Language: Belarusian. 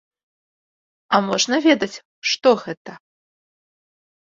А можна ведаць, што гэта?